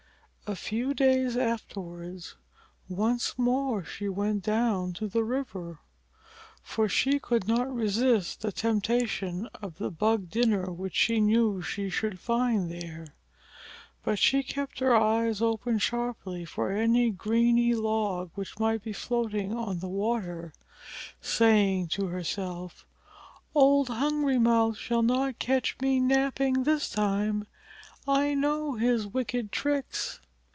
A few days afterwards once more she went down to the river, for she could not resist the temptation of the bug dinner which she knew she should find there. But she kept her eyes open sharply for any greeny log which might be floating on the water, saying to herself, "Old Hungry Mouth shall not catch me napping this time. I know his wicked tricks!"